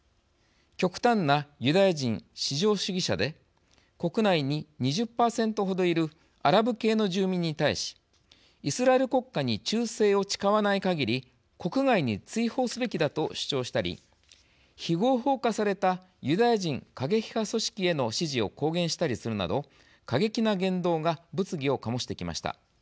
極端なユダヤ人至上主義者で国内に２０％程いるアラブ系の住民に対し「イスラエル国家に忠誠を誓わない限り国外に追放すべきだ」と主張したり非合法化されたユダヤ人過激派組織への支持を公言したりするなど過激な言動が物議を醸してきました。